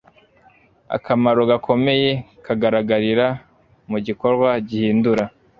akamaro gakomeye kagaragarira mu gikorwa gihindura